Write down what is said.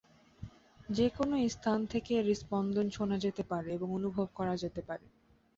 যে কোন স্থান থেকে এর স্পন্দন শোনা যেতে পারে এবং অনুভব করা যেতে পারে।